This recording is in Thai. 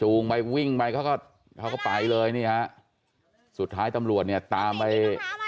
หนูไปวิ่งไปเขาก็ไปเลยสุดท้ายตำรวจเนี่ยตามไป